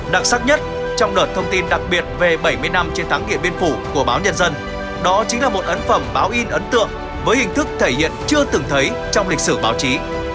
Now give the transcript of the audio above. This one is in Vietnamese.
đặc sắc nhất trong đợt thông tin đặc biệt về bảy mươi năm chiến thắng điện biên phủ của báo nhân dân đó chính là một ấn phẩm báo in ấn tượng với hình thức thể hiện chưa từng thấy trong lịch sử báo chí